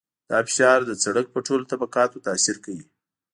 دا فشار د سرک په ټولو طبقاتو تاثیر کوي